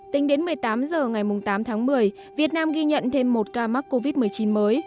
tính đến một mươi tám h ngày tám tháng một mươi việt nam ghi nhận thêm một ca mắc covid một mươi chín mới